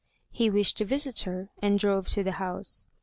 He wished to visit her, and drove to the house.